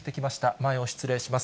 前を失礼します。